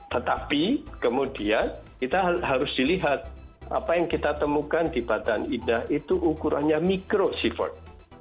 tetapi kemudian kita harus dilihat apa yang kita temukan di badan indah itu ukurannya mikrosievert